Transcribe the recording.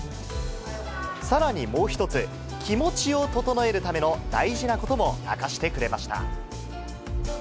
さらにもう一つ、キモチを整えるための大事なことも明かしてくれました。